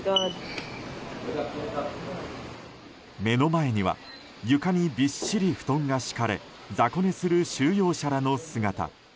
目の前には床にびっしり布団が敷かれ雑魚寝する収容者らの姿。